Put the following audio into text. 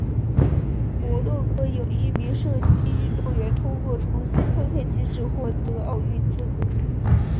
摩洛哥有一名射击运动员透过重新分配机制获得奥运资格。